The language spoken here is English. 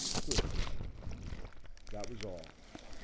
SWIFTWATER." That was all.